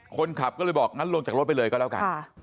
คนขับก็เลยบอกงั้นลงจากรถไปเลยก็แล้วกัน